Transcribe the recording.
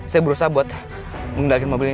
saya berusaha buat mengendalikan mobil ini